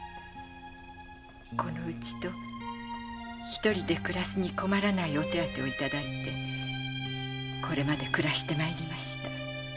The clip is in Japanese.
この家と一人で暮らすに困らないお手当をいただいてこれまで暮らしてまいりました。